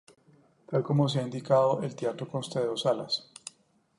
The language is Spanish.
Tal y como se ha indicado, el teatro consta de dos salas.